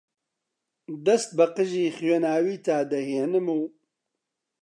دەست بە قژی خوێناویتا دەهێنم و